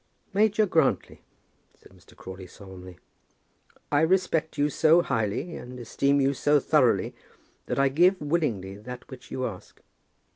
"Major Grantly," said Mr. Crawley, solemnly, "I respect you so highly, and esteem you so thoroughly, that I give willingly that which you ask.